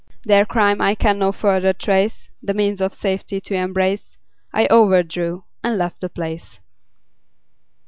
Their crime I can no further trace The means of safety to embrace, I overdrew and left the place.